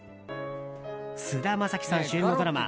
菅田将暉さん主演のドラマ